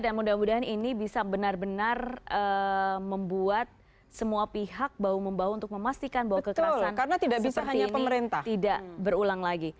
dan mudah mudahan ini bisa benar benar membuat semua pihak bau membau untuk memastikan bahwa kekerasan seperti ini tidak berulang lagi